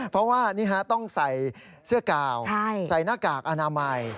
เพราะว่านี่ฮะต้องใส่เสื้อกาวใส่หน้ากากอนามัย